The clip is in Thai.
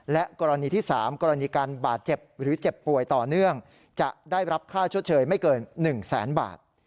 และกรณีที่๓กรณีการบาดเจ็บหรือเจ็บป่วยต่อเนื่องจะได้รับค่าชดเชยไม่เกิน๑แสนบาท